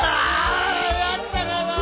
やったがな！